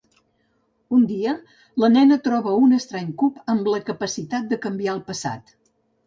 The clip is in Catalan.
Un dia la nena troba un estrany cub amb la capacitat de canviar el passat.